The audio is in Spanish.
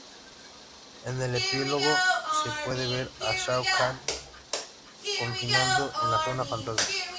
En el epílogo se puede ver a Shao Kahn confinado en la Zona Fantasma.